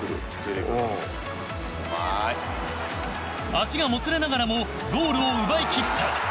足がもつれながらもゴールを奪いきった。